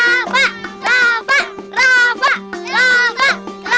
kalian memang jauh banget jadi nyawa aja jauh deh